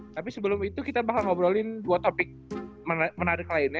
tapi sebelum itu kita bakal ngobrolin dua topik menarik lainnya